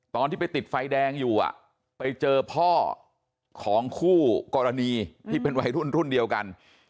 ตอนที่ไปติดไฟแดงอยู่ไปเจอพ่อของคู่กรณีที่เป็นวัยรุ่นรุ่นเดียวกัน